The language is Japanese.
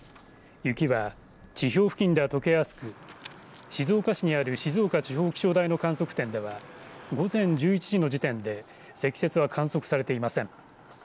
雪は、地表付近ではとけやすく静岡市にある静岡地方気象台の観測点では午前１１時の時点で積雪は観測されていません。